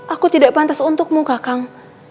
aku tidak pantas untukmu kakang